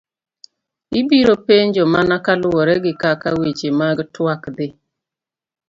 Ibiro penjo mana kaluwore gi kaka weche mag tuak dhi.